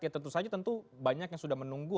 ya tentu saja tentu banyak yang sudah menunggu